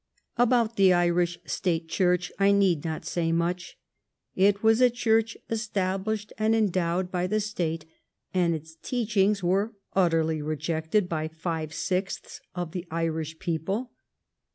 About the Irish State Church I need not say much. It was a Church established and endowed by the State, and its teachings were utterly rejected by five sixths of the Irish people.